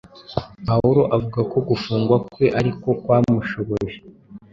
Pawulo avuga ko gufungwa kwe ari ko kwamushoboje